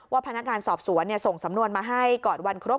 พนักงานสอบสวนส่งสำนวนมาให้ก่อนวันครบ